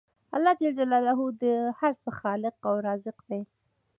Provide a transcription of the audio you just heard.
الله ج د هر څه خالق او رازق دی